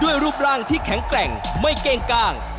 รูปร่างที่แข็งแกร่งไม่เก้งกล้าง